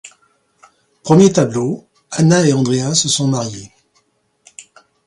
Premier tableau : Anna et Andrea se sont mariés.